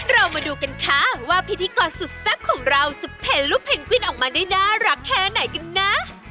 เรามาดูกันค่ะว่าพิธีกรสุดแซ่บของเราจะเพลลูกเพนกวินออกมาได้น่ารักแค่ไหนกันนะ